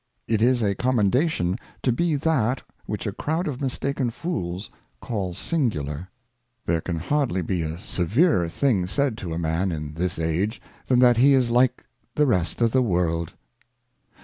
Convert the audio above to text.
It is a Commendation to be that which a crowd of mistaken Fools call Singular. There and Reflections. 255 There can hardly be a severer thing said to a Man in this Age, than that he is Uke the rest of the World.